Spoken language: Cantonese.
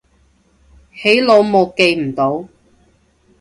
起腦霧記唔到